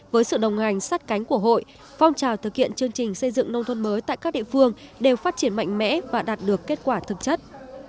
với sự đồng hành sát cánh của hội phong trào thực hiện chương trình xây dựng nông thôn mới tại các địa phương đều phát triển mạnh mẽ và đạt được kết quả thực chất